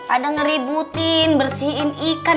ada ngeributin bersihin ikan